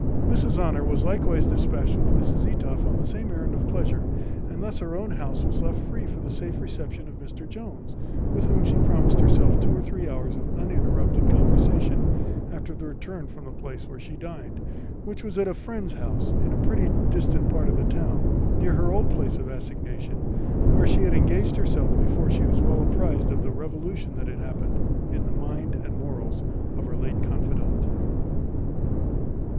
Mrs Honour was likewise despatched with Mrs Etoff on the same errand of pleasure; and thus her own house was left free for the safe reception of Mr Jones, with whom she promised herself two or three hours of uninterrupted conversation after her return from the place where she dined, which was at a friend's house in a pretty distant part of the town, near her old place of assignation, where she had engaged herself before she was well apprized of the revolution that had happened in the mind and morals of her late confidante.